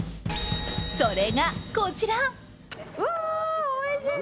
それがこちら。